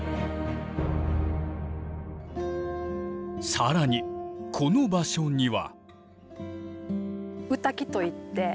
更にこの場所には。